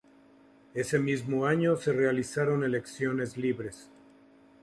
Ese mismo año se realizaron elecciones libres.